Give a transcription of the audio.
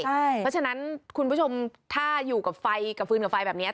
เพราะฉะนั้นคุณผู้ชมถ้าอยู่กับไฟกับฟืนกับไฟแบบนี้